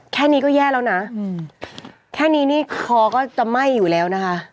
แค่นี้ก็แย่แล้วนะแค่นี้นี่คอก็จะไหม้อยู่แล้วนะคะ